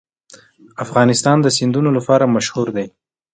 افغانستان د سیندونه لپاره مشهور دی.